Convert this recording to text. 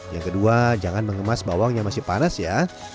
yang kedua jangan mengemas bawang yang masih panas ya